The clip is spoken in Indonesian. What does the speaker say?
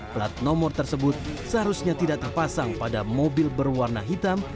plat nomor tersebut seharusnya tidak terpasang pada mobil berwarna hitam